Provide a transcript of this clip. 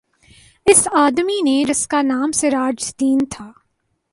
اس آدمی نے جس کا نام سراج دین تھا